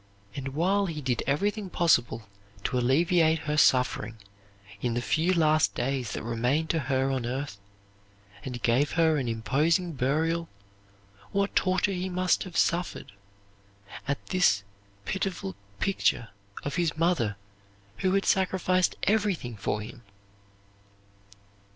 And while he did everything possible to alleviate her suffering, in the few last days that remained to her on earth, and gave her an imposing burial, what torture he must have suffered, at this pitiful picture of his mother who had sacrificed everything for him!